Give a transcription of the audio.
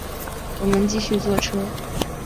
我们继续坐车